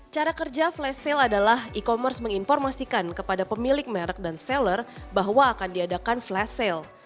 cara kerja flash sale adalah e commerce menginformasikan kepada pemilik merek dan seller bahwa akan diadakan flash sale